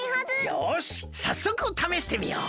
よしさっそくためしてみよう！